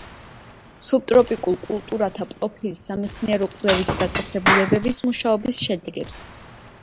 სუბტროპიკულ კულტურათა პროფილის სამეცნიერო-კვლევით დაწესებულებების მუშაობის შედეგებს.